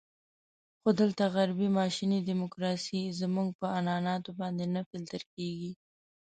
خو دلته غربي ماشیني ډیموکراسي زموږ په عنعناتو باندې نه فلتر کېږي.